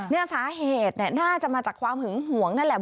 เนี่ยสาเหตุน่าจะมาจากความหึงหวงนั่นแหละ